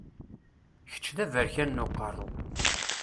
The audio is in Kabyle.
Kečč d aberkan n uqerru!